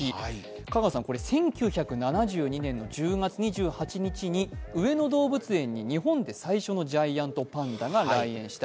香川さん、１９７２年の１０月２８日に上野動物園に日本で最初のジャイアントパンダが来園した。